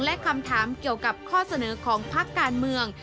และคำถามเกี่ยวกับข้อเสนอของพักการเมือง